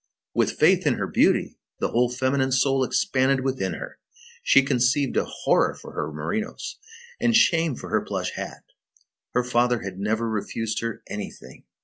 With faith in her beauty, the whole feminine soul expanded within her. She conceived a horror for her merinos, and shame for her plush hat. Her father had never refused her anything.